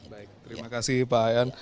baik terima kasih pak ayan